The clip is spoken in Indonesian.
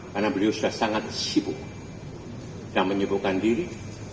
karena beliau sudah sangat sibuk dan menyibukkan diri